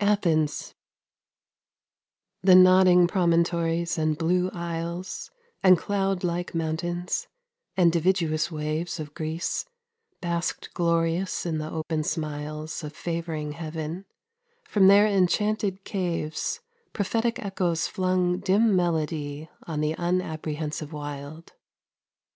ATHENS The nodding promontories and blue isles, And cloud like mountains, and dividuous waves Of Greece, basked glorious in the open smiles Of favouring heaven: from their enchanted caves Prophetic echoes flung dim melody 5 On the unapprehensive wild.